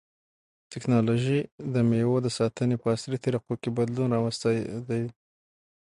تکنالوژي د مېوو د ساتنې په عصري طریقو کې بدلون راوستی دی.